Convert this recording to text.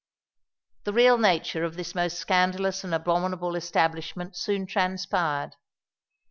The real nature of this most scandalous and abominable establishment soon transpired.